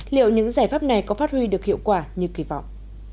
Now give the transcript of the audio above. liệu những giải pháp này có phát huy được hiệu quả như kỳ vọng